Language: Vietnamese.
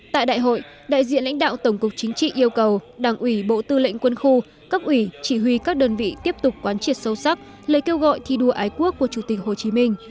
tại đại hội đại diện lãnh đạo tổng cục chính trị yêu cầu đảng ủy bộ tư lệnh quân khu các ủy chỉ huy các đơn vị tiếp tục quán triệt sâu sắc lời kêu gọi thi đua ái quốc của chủ tịch hồ chí minh